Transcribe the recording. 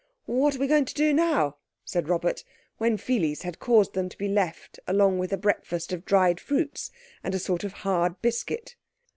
"What are we going to do now?" said Robert, when Pheles had caused them to be left along with a breakfast of dried fruits and a sort of hard biscuit.